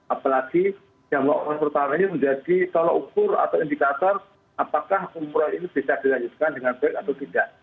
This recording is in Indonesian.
apalagi yang melakukan pertama ini menjadi tolok ukur atau indikator apakah umroh ini bisa dilanjutkan dengan baik atau tidak